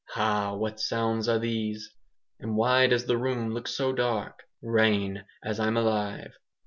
Ha! what sounds are these? And why does the room look so dark? Rain, as I'm alive.